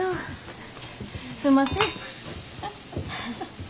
すんません。